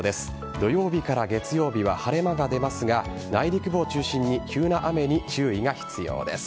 土曜日から月曜日は晴れ間が出ますが内陸部を中心に急な雨に注意が必要です。